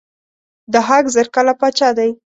ضحاک زر کاله پاچا دی.